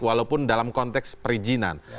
walaupun dalam konteks perizinan